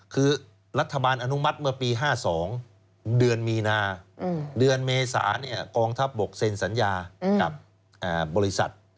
คือรัฐบาลอนุมัติเมื่อปี๕๒เดือนมีนาเดือนเมษากองทัพบกเซ็นสัญญากับบริษัท